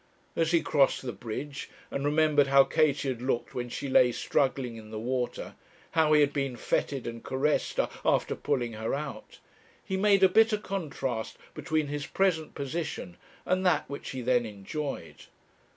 As he crossed the bridge, and remembered how Katie had looked when she lay struggling in the water, how he had been fêted and caressed after pulling her out, he made a bitter contrast between his present position and that which he then enjoyed.